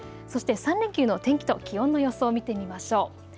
そして３連休の天気と気温の予想を見てみましょう。